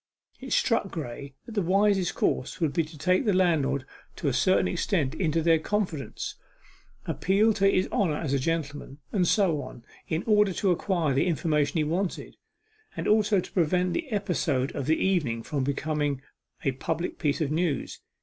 It struck Graye that the wisest course would be to take the landlord to a certain extent into their confidence, appeal to his honour as a gentleman, and so on, in order to acquire the information he wanted, and also to prevent the episode of the evening from becoming a public piece of news.